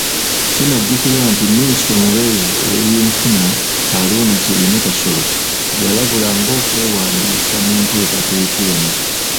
Kinajjukirwa nti Minisita omubeezi ow'ebyenfuna, Haruna Kyeyune Kasolo, yalabula ng'okwewandiisa mu nteekateeka eno .